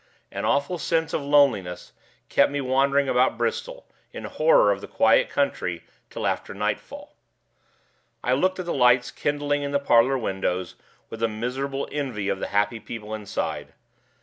An awful sense of loneliness kept me wandering about Bristol, in horror of the quiet country, till after nightfall. I looked at the lights kindling in the parlor windows, with a miserable envy of the happy people inside.